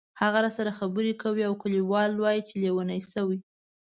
هغه راسره خبرې کوي او کلیوال وایي چې لیونی شوې.